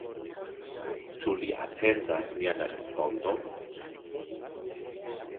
Ĉu li atendas mian respondon?